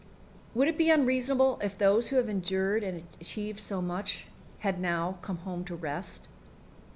Would it be unreasonable if those who have endured and achieved so much had now come home to rest?